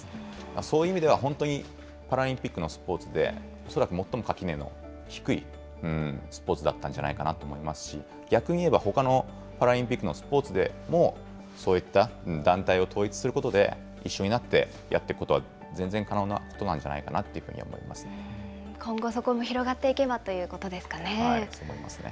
そういう意味では本当に、パラリンピックのスポーツで、恐らく最も垣根の低いスポーツだったんじゃないかなと思いますし、逆にいえば、ほかのパラリンピックのスポーツでも、そういった団体を統一することで、一緒になってやっていくことは全然可能なことなんじゃな今後、そこも広がっていけばそう思いますね。